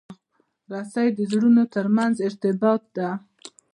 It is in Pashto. رسۍ د زړونو ترمنځ ارتباط ده.